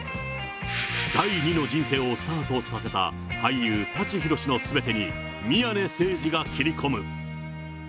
第二の人生をスタートさせた俳優、舘ひろしのすべてに、宮根誠司が切り込む。